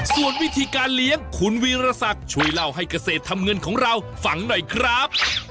ส่วนวิธีการเลี้ยงคุณวีรศักดิ์ช่วยเล่าให้เกษตรทำเงินของเราฟังหน่อยครับ